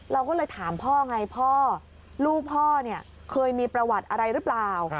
เราก็เลยถามพ่อไงพ่อลูกพ่อเนี่ยเคยมีประวัติอะไรหรือเปล่า